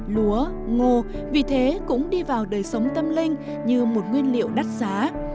lúa ngô vì thế cũng đi vào đời sống tâm linh như một nguyên liệu đắt giá